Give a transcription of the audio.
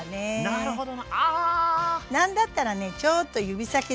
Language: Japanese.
なるほど。